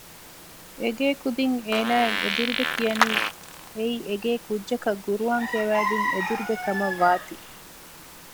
އެގޭ ކުދިން އޭނާއަށް އެދުރުބެ ކިޔަނީ އެއީ އެގޭ ކުއްޖަކަށް ޤުރްއާން ކިޔަވައިދިން އެދުރުބެ ކަމަށް ވާތީ